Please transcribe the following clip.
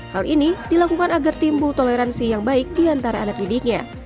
hal ini dilakukan agar timbul toleransi yang baik di antara anak didiknya